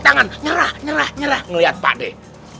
tangan nyerah nyerah nyerah melihat pak det